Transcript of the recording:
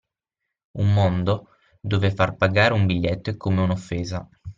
Un mondo dove far pagare un biglietto è come un’offesa